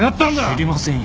知りませんよ。